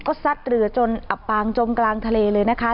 ก็ซัดเรือจนอับปางจมกลางทะเลเลยนะคะ